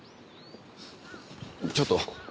ちょっと。